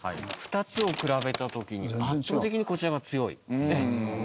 ２つを比べた時に圧倒的にこちらが強いですね。